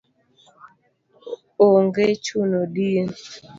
onge chuno din